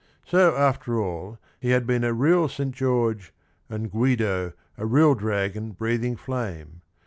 So after all he had been a real St. George and Guido " a real dragon breathing flame."